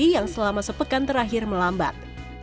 yang selama sepekan terakhir melambat